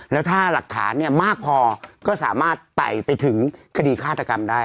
แล้วถ้าหลักฐานเนี่ยมากพอก็สามารถไต่ไปถึงคดีฆาตกรรมได้